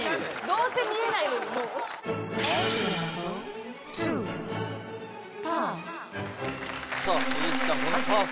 どうせ見えないさあ